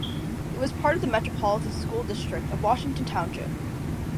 It is part of the Metropolitan School District of Washington Township.